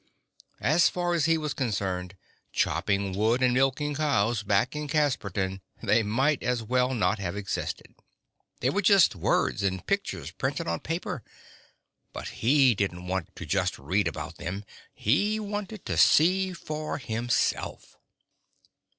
As far as he was concerned, chopping wood and milking cows back in Casperton, they might as well not have existed. They were just words and pictures printed on paper. But he didn't want to just read about them. He wanted to see for himself.